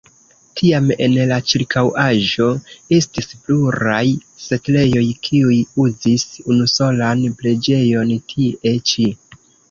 Tiam en la ĉirkaŭaĵo estis pluraj setlejoj, kiuj uzis unusolan preĝejon tie ĉi.